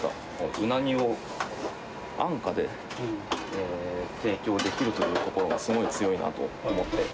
うなぎを安価で提供できるというところがすごい強いなと思って。